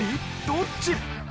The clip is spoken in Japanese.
どっち？